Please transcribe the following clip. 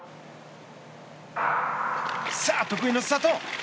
得意のスタート。